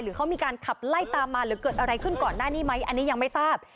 เขามีการขับไล่ตามมาหรือเกิดอะไรขึ้นก่อนหน้านี้ไหมอันนี้ยังไม่ทราบ